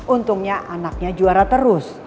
untungnya anaknya juara terus